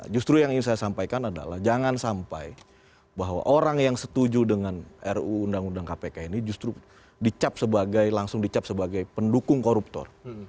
justru yang ingin saya sampaikan adalah jangan sampai bahwa orang yang setuju dengan ruu undang undang kpk ini justru dicap sebagai langsung dicap sebagai pendukung koruptor